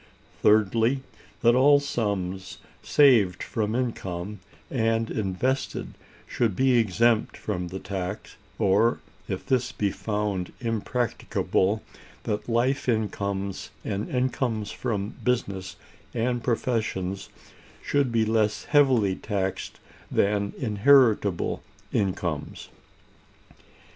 Thirdly, that all sums saved from income and invested should be exempt from the tax; or, if this be found impracticable, that life incomes and incomes from business and professions should be less heavily taxed than inheritable incomes.